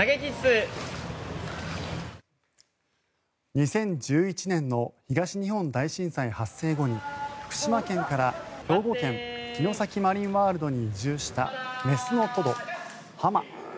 ２０１１年の東日本大震災発生後に福島県から兵庫県・城崎マリンワールドに移住した雌のトド、ハマ。